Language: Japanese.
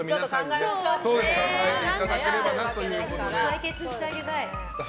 解決してあげたい。